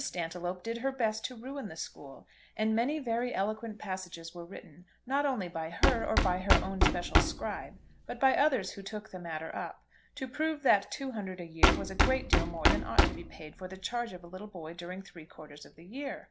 Stantiloup did her best to ruin the school, and many very eloquent passages were written not only by her or by her own special scribe, but by others who took the matter up, to prove that two hundred a year was a great deal more than ought to be paid for the charge of a little boy during three quarters of the year.